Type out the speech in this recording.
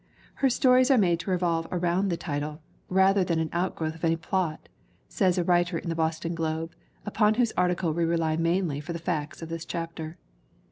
"Her stories are made to revolve 326 ELEANOR HALLOWELL ABBOTT 327 around the title, rather than an outgrowth of any plot," says a writer in the Boston Globe, upon whose article we rely mainly for the facts of this chapter.